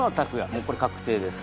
もうこれ確定です。